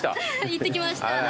行ってきました。